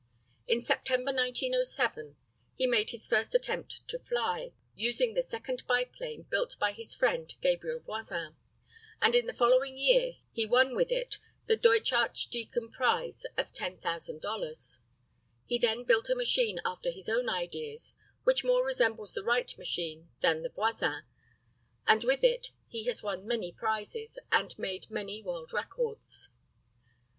In September, 1907, he made his first attempt to fly, using the second biplane built by his friend Gabriel Voisin, and in the following year he won with it the Deutsch Archdeacon prize of $10,000. He then built a machine after his own ideas, which more resembles the Wright machine than the Voisin, and with it he has won many prizes, and made many world records.